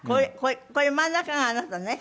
これ真ん中があなたね。